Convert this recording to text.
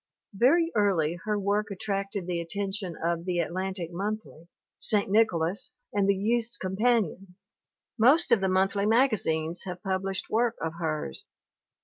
Very early her work attracted the attention of The Atlantic Monthly, St. Nicholas, and the Youth's Com panion. Most of the monthly magazines have pub lished work of hers.